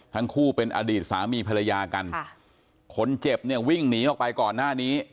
ทั้งคู่เป็นอดีตสามีภรรยากันค่ะคนเจ็บเนี่ยวิ่งหนีออกไปก่อนหน้านี้